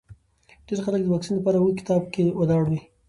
ډېر خلک د واکسین لپاره اوږده کتار کې ولاړ دي.